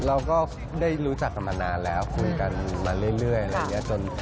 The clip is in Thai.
เราก็ได้รู้จักกันมานานแล้วคุยกันมาเรื่อยอะไรอย่างนี้